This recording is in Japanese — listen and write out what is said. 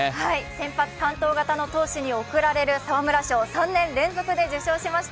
先発完投型の投手に贈られる沢村賞、３年連続で受賞しました。